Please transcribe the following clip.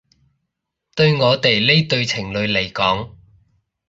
對我哋呢對情侶嚟講